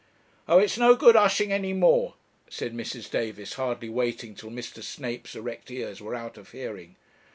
'Oh! it is no good hushing any more,' said Mrs. Davis, hardly waiting till Mr. Snape's erect ears were out of hearing.